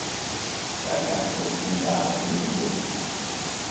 Daar gaat het om, om daden en niet om woorden.